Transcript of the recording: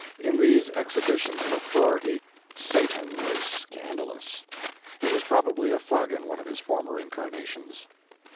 In these exhibitions of authority Satan was scandalous. He was probably a Thug in one of his former incarnations.